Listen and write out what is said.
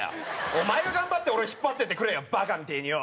お前が頑張って俺を引っ張っていってくれよバカみてえによ。